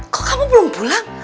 kok kamu belum pulang